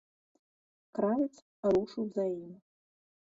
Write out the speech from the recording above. Кравец рушыў за ім.